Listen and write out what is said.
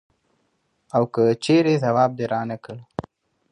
او که چېرې ځواب دې رانه کړ.